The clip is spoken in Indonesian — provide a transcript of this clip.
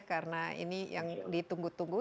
karena ini yang ditunggu tunggu